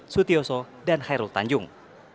sutioso dan hairul tanjung